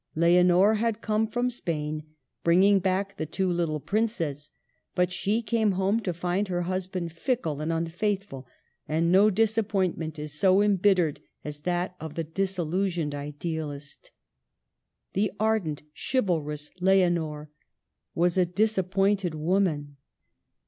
Leonor had come from Spain, bringing back the two little princes ; but she came home to find her husband fickle and un faithful, and no disappointment is so embittered as that of the disillusioned idealist. The ardent, chivalrous Leonor was a disappointed woman.